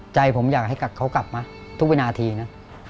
ใจผมอยากให้เขากลับมาทุกวินาทีนะ